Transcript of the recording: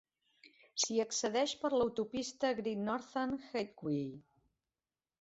S'hi accedeix per l'autopista Great Northern Highway.